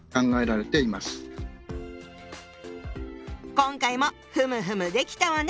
今回もふむふむできたわね！